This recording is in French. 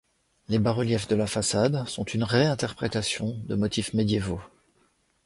Les bas-reliefs de la façade sont une réinterpétation de motifs médiévaux.